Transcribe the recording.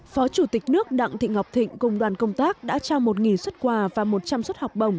phó chủ tịch nước đặng thị ngọc thịnh cùng đoàn công tác đã trao một xuất quà và một trăm linh suất học bổng